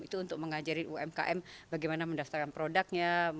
itu untuk mengajari umkm bagaimana mendaftarkan produknya